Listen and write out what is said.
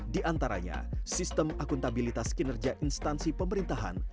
di antaranya sistem akuntabilitas kinerja instansi pemerintahan